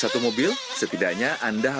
ya lumayan lah